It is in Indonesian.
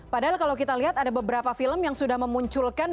padahal kalau kita lihat ada beberapa film yang sudah memunculkan